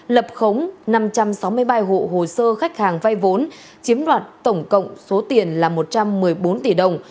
lập khống năm trăm sáu mươi ba hộ sơ khách hàng vay vốn chiếm đoạt tổng cộng số tiền là một trăm một mươi bốn tỷ đồng